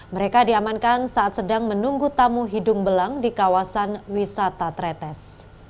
mereka diamankan saat sedang menunggu tamu hidung belang di kawasan wisata tretes